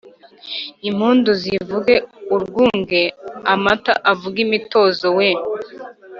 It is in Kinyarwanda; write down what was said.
impundu zivuge urwunge, amata avune imitozo weee